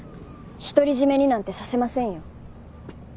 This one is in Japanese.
独り占めになんてさせませんよ。